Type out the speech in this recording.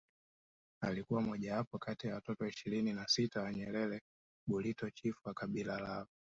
Alikuwa mojawapo kati watoto ishirini na sita wa Nyerere Burito chifu wa kabila lao